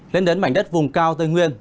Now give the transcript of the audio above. lên đến mảnh đất vùng cao tây nguyên